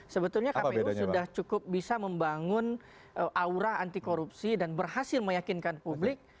sebetulnya kpu sudah cukup bisa membangun aura anti korupsi dan berhasil meyakinkan publik